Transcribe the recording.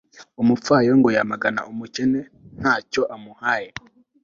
umupfayongo yamagana umukene nta cyo amuhaye